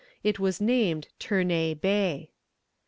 It was named Ternay Bay.